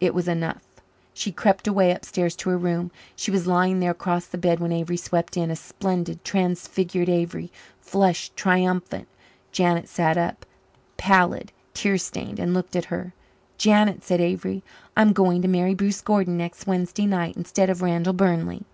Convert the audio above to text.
It was enough. She crept away upstairs to her room. She was lying there across the bed when Avery swept in a splendid, transfigured Avery, flushed triumphant. Janet sat up, pallid, tear stained, and looked at her. "Janet," said Avery, "I am going to marry Bruce Gordon next Wednesday night instead of Randall Burnley."